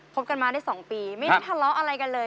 บกันมาได้๒ปีไม่ได้ทะเลาะอะไรกันเลย